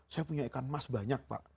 saya punya ikan emas banyak pak